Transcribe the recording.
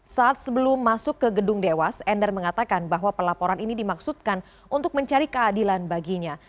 saat sebelum masuk ke gedung dewas endar mengatakan bahwa pelaporan ini dimaksudkan untuk mencari keadilan baginya